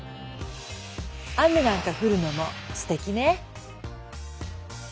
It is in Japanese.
雨なんか降るのもすてきね。